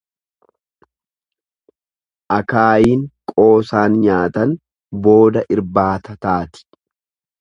Akaayiin qoosaan nyaatan booda irbaata taati.